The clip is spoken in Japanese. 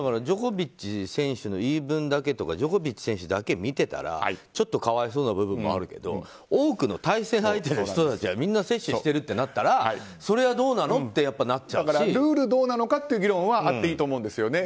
ジョコビッチ選手の言い分だけとかジョコビッチ選手だけ見てたらちょっと可哀想な部分もあるけど多くの対戦相手の人たちはみんな接種しているってなったら、それはどうなの？ってルールがどうなのかという議論はあっていいと思うんですよ。